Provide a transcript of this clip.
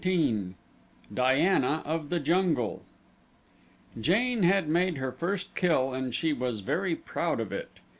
19 Diana of the Jungle Jane had made her first kill and she was very proud of it.